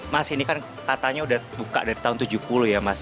mas ini kan katanya udah buka dari tahun tujuh puluh ya mas